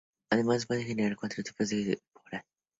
Además, puede generar cuatro tipos de esporas.